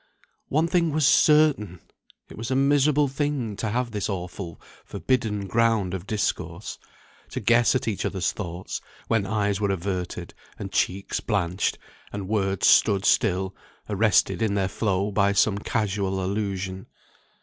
One thing was certain! it was a miserable thing to have this awful forbidden ground of discourse; to guess at each other's thoughts, when eyes were averted, and cheeks blanched, and words stood still, arrested in their flow by some casual allusion.